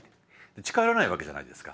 近寄らないわけじゃないですか。